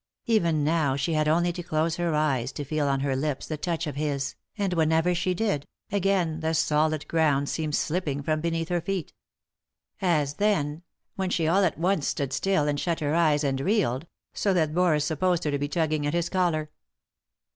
Even now she had only to close her eyes to feel on her lips the touch of bis, and whenever she did, again the solid ground seemed slipping from beneath her feet As then ; when she all at once stood still, and shut her 159 3i 9 iii^d by Google THE INTERRUPTED KISS eyes, and reeled, so that Boris supposed her to be tugging at his collar.